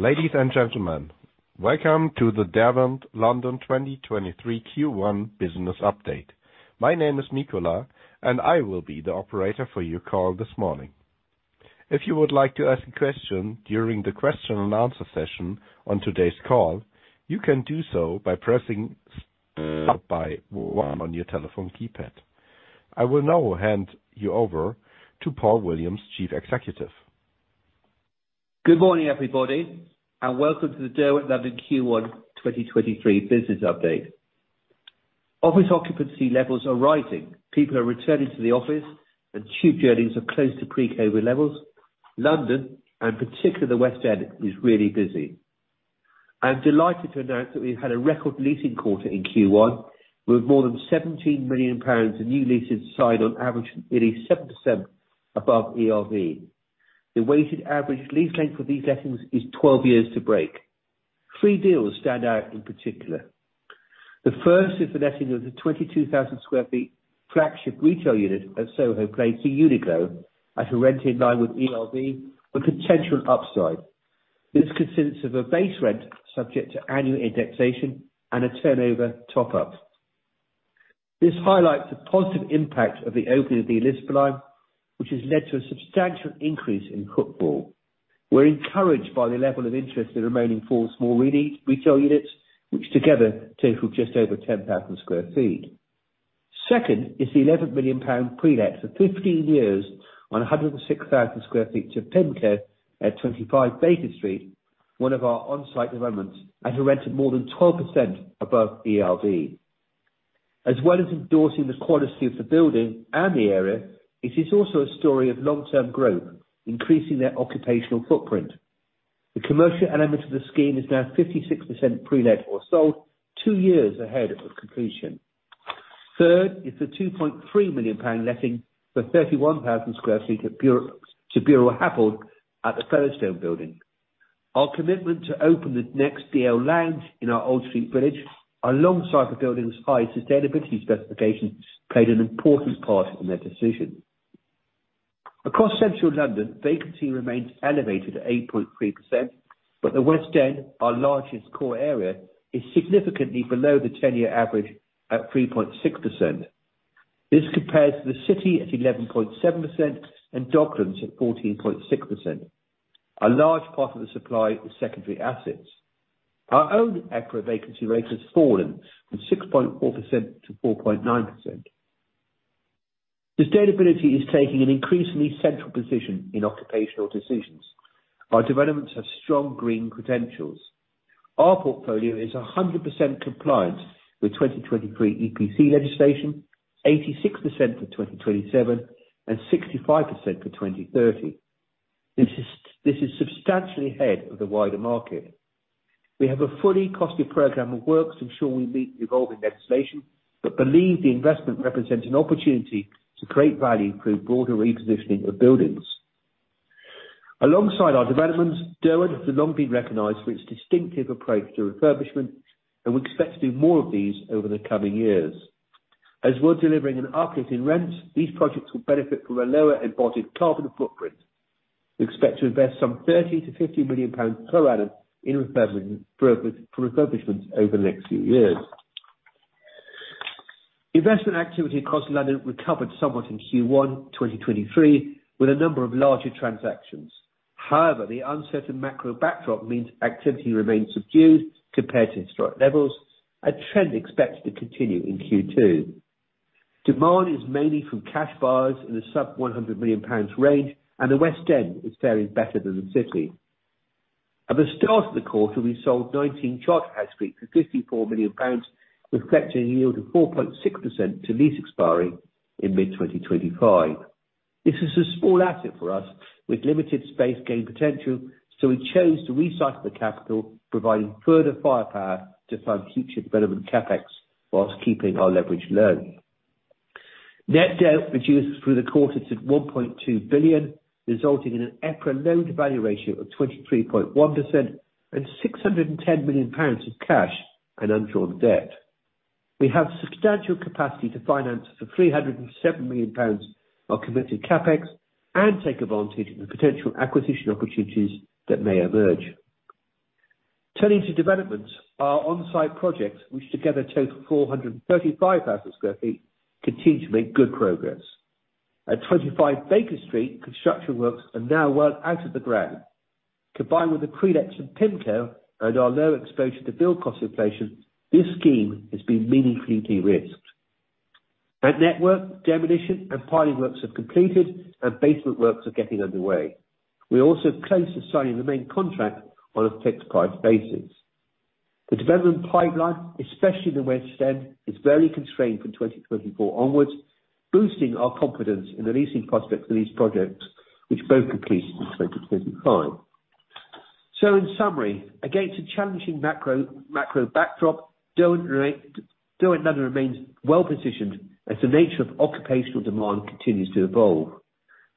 Ladies and gentlemen, welcome to the Derwent London 2023 Q1 business update. My name is Mikola. I will be the operator for your call this morning. If you would like to ask a question during the question and answer session on today's call, you can do so by pressing 1 on your telephone keypad. I will now hand you over to Paul Williams, Chief Executive. Good morning, everybody, and welcome to the Derwent London Q1 2023 business update. Office occupancy levels are rising. People are returning to the office, tube journeys are close to pre-COVID levels. London, and particularly the West End, is really busy. I am delighted to announce that we've had a record leasing quarter in Q1, with more than GBP 17 million of new leases signed on average, nearly 7% above ERV. The weighted average lease length for these lettings is 12 years to break. Three deals stand out in particular. The first is the letting of the 22,000 sq ft flagship retail unit at Soho Place to UNIQLO at a rent in line with ERV for potential upside. This consists of a base rent subject to annual indexation and a turnover top-up. This highlights the positive impact of the opening of the Elizabeth line, which has led to a substantial increase in footfall. We're encouraged by the level of interest in the remaining four small retail units, which together total just over 10,000 sq ft. Second is the 11 million pound prelet for 15 years on 106,000 sq ft to PIMCO at 25 Baker Street, one of our on-site developments, at a rent of more than 12% above ERV. As well as endorsing the quality of the building and the area, it is also a story of long-term growth, increasing their occupational footprint. The commercial element of the scheme is now 56% prelet or sold two years ahead of completion. Third is the GBP 2.3 million letting for 31,000 sq ft to Buro Happold at The Featherstone Building. Our commitment to open the next DL/Lounge in our Old Street village alongside the building's high sustainability specifications played an important part in their decision. Across Central London, vacancy remains elevated at 8.3%. The West End, our largest core area, is significantly below the ten-year average at 3.6%. This compares to the City at 11.7% and Docklands at 14.6%. A large part of the supply is secondary assets. Our own EPRA vacancy rate has fallen from 6.4% to 4.9%. Sustainability is taking an increasingly central position in occupational decisions. Our developments have strong green credentials. Our portfolio is 100% compliant with 2023 EPC legislation, 86% for 2027, and 65% for 2030. This is substantially ahead of the wider market. We have a fully costed program of works to ensure we meet the evolving legislation, believe the investment represents an opportunity to create value through broader repositioning of buildings. Alongside our developments, Derwent has long been recognized for its distinctive approach to refurbishment, we expect to do more of these over the coming years. As we're delivering an uplift in rents, these projects will benefit from a lower embodied carbon footprint. We expect to invest some 30 million-50 million pounds per annum in refurbishment, for refurbishments over the next few years. Investment activity across London recovered somewhat in Q1 2023 with a number of larger transactions. The uncertain macro backdrop means activity remains subdued compared to historic levels, a trend expected to continue in Q2. Demand is mainly from cash buyers in the sub-GBP 100 million range. The West End is faring better than the City. At the start of the quarter, we sold 19 Charterhouse Street for 54 million pounds, reflecting a yield of 4.6% to lease expiry in mid-2025. This is a small asset for us with limited space gain potential, so we chose to recycle the capital, providing further firepower to fund future development CapEx whilst keeping our leverage low. Net debt reduced through the quarter to 1.2 billion, resulting in an EPRA loan-to-value ratio of 23.1% and 610 million pounds of cash and undrawn debt. We have substantial capacity to finance the 307 million pounds of committed CapEx and take advantage of the potential acquisition opportunities that may emerge. Turning to developments, our on-site projects, which together total 435,000 sq ft, continue to make good progress. At 25 Baker Street, construction works are now well out of the ground. Combined with the prelets from PIMCO and our low exposure to build cost inflation, this scheme has been meaningfully de-risked. At Network, demolition and piling works have completed, and basement works are getting underway. We also closed the signing of the main contract on a fixed price basis. The development pipeline, especially in the West End, is very constrained from 2024 onwards, boosting our confidence in the leasing prospects for these projects, which both complete in 2025. In summary, against a challenging macro backdrop, Derwent London remains well positioned as the nature of occupational demand continues to evolve.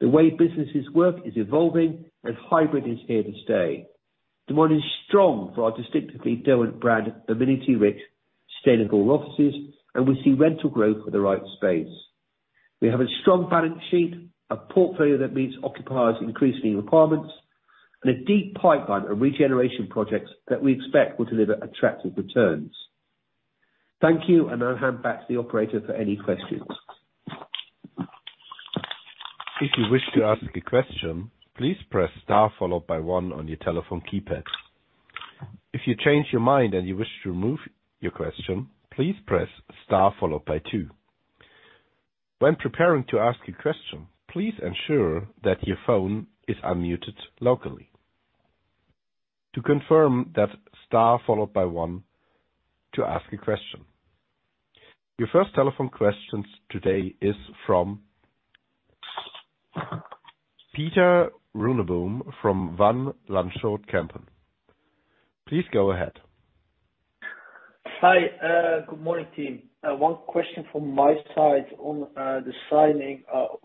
The way businesses work is evolving and hybrid is here to stay. Demand is strong for our distinctively Derwent brand, amenity-rich, sustainable offices, and we see rental growth for the right space. We have a strong balance sheet, a portfolio that meets occupiers' increasing requirements, and a deep pipeline of regeneration projects that we expect will deliver attractive returns. Thank you. I'll hand back to the operator for any questions. If you wish to ask a question, please press star followed by one on your telephone keypad. If you change your mind and you wish to remove your question, please press star followed by two. When preparing to ask a question, please ensure that your phone is unmuted locally. To confirm that, star followed by one to ask a question. Your first telephone questions today is from Pieter Runneboom from Van Lanschot Kempen. Please go ahead. Hi. Good morning, team. One question from my side on the signing of.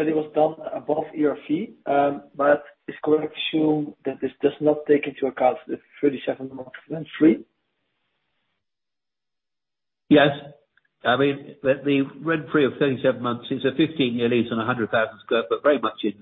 It was done above ERV, but is correct to assume that this does not take into account the 37 month rent-free? Yes. I mean, the rent-free of 37 months is a 15-year lease and 100,000 sq ft, but very much in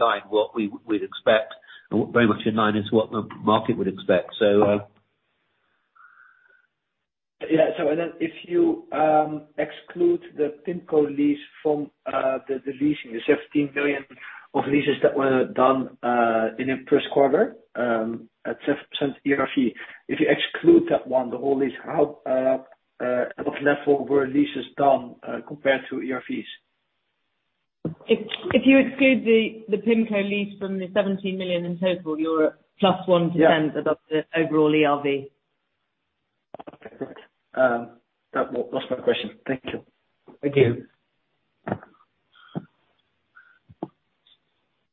line what we'd expect and very much in line as to what the market would expect. If you exclude the PIMCO lease from the leasing, the 17 million of leases that were done in the first quarter, at 7% ERV. If you exclude that one, the whole lease how, what level were leases done compared to ERVs? If you exclude the PIMCO lease from the 17 million in total, you're at +1% of the overall ERV. Okay. Great. That was my question. Thank you. Thank you.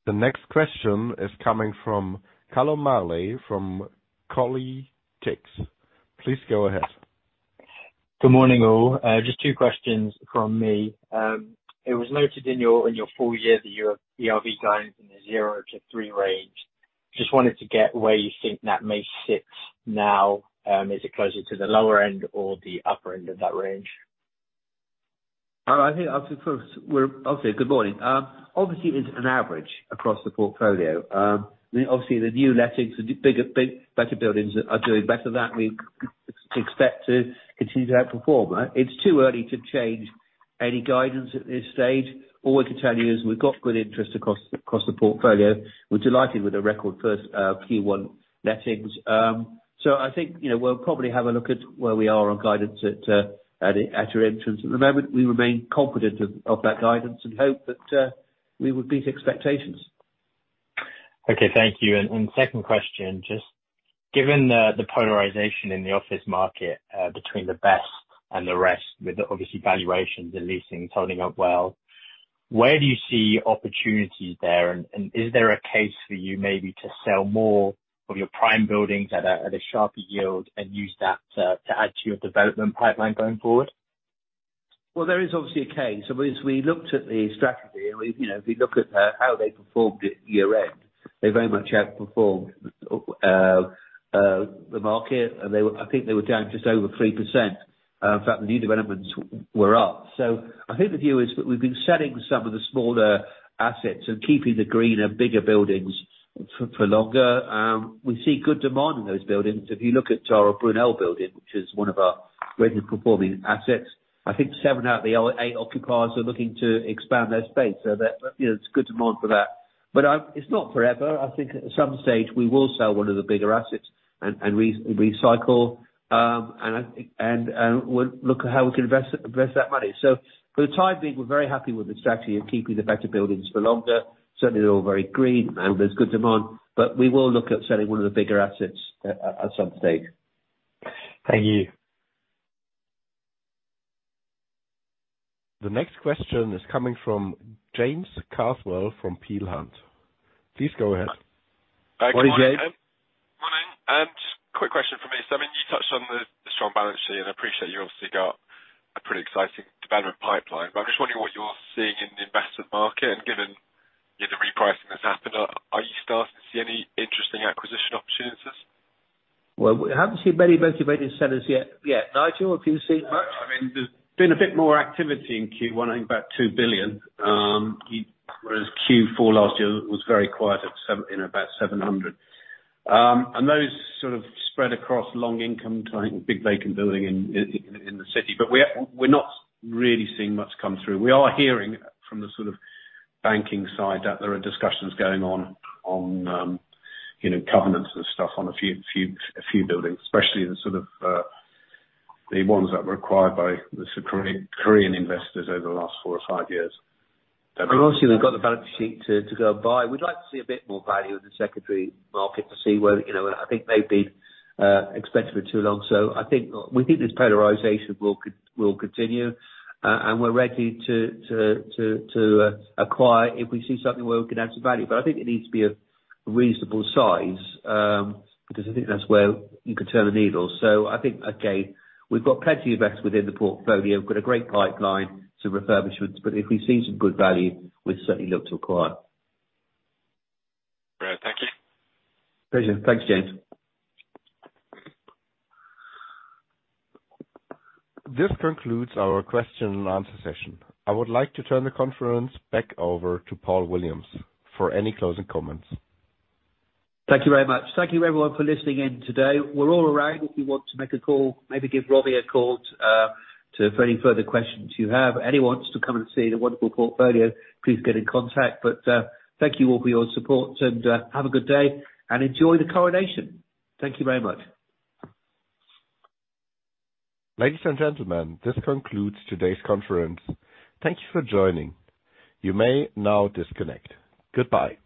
The next question is coming from Callum Marley from Kolytics. Please go ahead. Good morning, all. Just two questions from me. It was noted in your full year that your ERV guidance in the 0-3% range. Just wanted to get where you think that may sit now. Is it closer to the lower end or the upper end of that range? Uh, I think obviously first we're... Obviously, good morning. Um, obviously it's an average across the portfolio. Um, I mean, obviously the new lettings, the bigger better buildings are doing better. That we expect to continue to outperform. Uh, it's too early to change any guidance at this stage. All we can tell you is we've got good interest across, across the portfolio. We're delighted with the record first, uh, Q1 lettings. Um, so I think, you know, we'll probably have a look at where we are on guidance at, uh, at, at your entrance. At the moment, we remain confident of, of that guidance and hope that, uh, we would meet expectations. Okay. Thank you. Second question, just given the polarization in the office market, between the best and the rest, with obviously valuations and leasing holding up well, where do you see opportunities there? Is there a case for you maybe to sell more of your prime buildings at a sharper yield and use that to add to your development pipeline going forward? There is obviously a case. I mean, as we looked at the strategy and we, you know, if we look at how they performed at year-end, they very much outperformed the market, and they were I think they were down just over 3%. In fact, the new developments were up. I think the view is that we've been selling some of the smaller assets and keeping the greener, bigger buildings for longer. We see good demand in those buildings. If you look at our Brunel building, which is one of our regular performing assets, I think seven out of the eight occupiers are looking to expand their space. There, you know, it's good demand for that. It's not forever. I think at some stage we will sell one of the bigger assets and re-recycle, and we'll look at how we can invest that money. For the time being, we're very happy with the strategy of keeping the better buildings for longer. Certainly, they're all very green and there's good demand. We will look at selling one of the bigger assets at some stage. Thank you. The next question is coming from James Carswell from Peel Hunt. Please go ahead. Morning, James. Morning. Quick question from me. I mean, you touched on the strong balance sheet, and I appreciate you obviously got a pretty exciting development pipeline. I'm just wondering what you're seeing in the investment market and given, you know, the repricing that's happened. Are you starting to see any interesting acquisition opportunities? Well, we haven't seen many motivated sellers yet. Yet. Nigel, have you seen much? I mean, there's been a bit more activity in Q1, I think about 2 billion, whereas Q4 last year was very quiet at about 700. Those sort of spread across long income type, big vacant building in the city. We're not really seeing much come through. We are hearing from the sort of banking side that there are discussions going on, you know, covenants and stuff on a few buildings, especially in the sort of, the ones that were acquired by the Korean investors over the last four or five years. Obviously we've got the balance sheet to go buy. We'd like to see a bit more value in the secondary market to see where, you know. I think maybe expected for too long. I think, we think this polarization will continue, and we're ready to acquire if we see something where we can add some value. I think it needs to be a reasonable size because I think that's where you can turn the needle. I think, again, we've got plenty of assets within the portfolio. We've got a great pipeline to refurbishments. If we see some good value, we'd certainly look to acquire. Great. Thank you. Pleasure. Thanks, James. This concludes our question and answer session. I would like to turn the conference back over to Paul Williams for any closing comments. Thank you very much. Thank you everyone for listening in today. We're all around if you want to make a call, maybe give Robbie a call, for any further questions you have. If anyone wants to come and see the wonderful portfolio, please get in contact. Thank you all for your support and have a good day and enjoy the coronation. Thank you very much. Ladies and gentlemen, this concludes today's conference. Thank you for joining. You may now disconnect. Goodbye.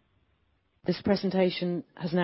This presentation has now-